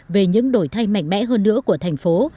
về những đổi thay mạnh mẽ hơn nữa của thành phố